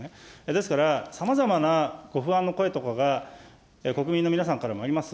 ですからさまざまなご不安の声とかが国民の皆さんからもあります。